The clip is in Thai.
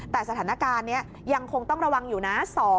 แต่สถานการณ์นี้ยังคงต้องระวังอยู่นะ